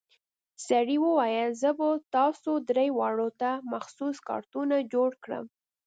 سړي وويل زه به تاسو درې واړو ته مخصوص کارتونه جوړ کم.